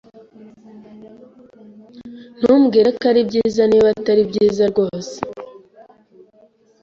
Ntumbwire ko ari byiza niba atari byiza rwose.